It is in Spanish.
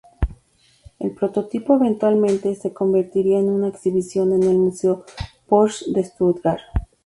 El prototipo eventualmente se convertiría en una exhibición en el Museo Porsche en Stuttgart.